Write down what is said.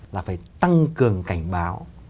là phải tăng cường cảnh báo